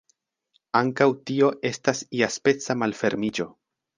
Ankaŭ tio estas iaspeca malfermiĝo.